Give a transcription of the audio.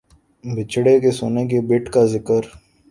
بچھڑے کے سونے کے بت کا ذکر